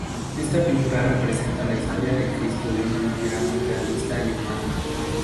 Esta pintura representa la historia de Cristo de una manera muy realista y humana.